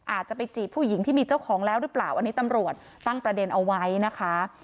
อาจจะไปจีบผู้หญิงที่มีเจ้าของแล้วหรือเปล่าอันนี้ตำรวจตั้งประเด็นเอาไว้นะคะ